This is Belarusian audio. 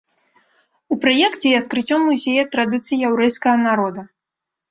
У праекце і адкрыццё музея традыцый яўрэйскага народа.